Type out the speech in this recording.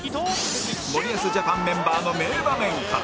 森保ジャパンメンバーの名場面から